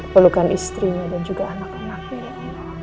perlukan istrinya dan juga anak anaknya ya allah